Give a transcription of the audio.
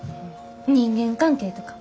人間関係とか？